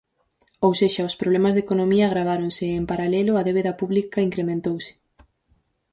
Ou sexa, os problemas de economía agraváronse e, en paralelo, a débeda pública incrementouse.